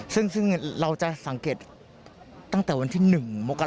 ซึ่งเราจะสังเกตตั้งแต่วันที่๑มกรา